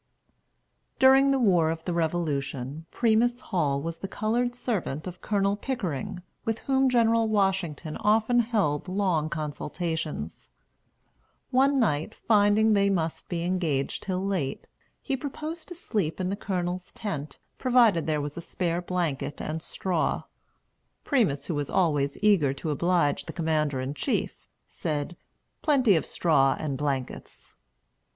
During the war of the Revolution, Primus Hall was the colored servant of Colonel Pickering, with whom General Washington often held long consultations. One night, finding they must be engaged till late, he proposed to sleep in the Colonel's tent, provided there was a spare blanket and straw. Primus, who was always eager to oblige the Commander in Chief, said, "Plenty of straw and blankets."